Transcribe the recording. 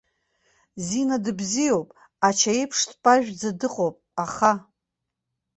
Зина дыбзиоуп, ача аиԥш дпажәӡа дыҟоуп, аха.